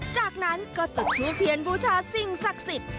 จากนั้นก็จุดทูปเทียนบูชาสิ่งศักดิ์สิทธิ์